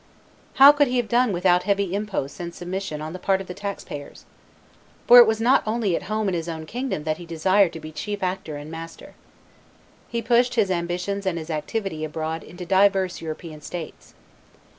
How could he have done without heavy imposts and submission on the part of the tax payers? For it was not only at home in his own kingdom that he desired to be chief actor and master. He pushed his ambition and his activity abroad into divers European states.